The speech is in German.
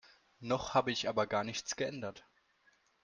Noch habe ich aber gar nichts geändert.